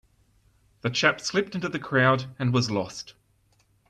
The chap slipped into the crowd and was lost.